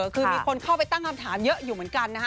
คือมีคนเข้าไปตั้งคำถามเยอะอยู่เหมือนกันนะฮะ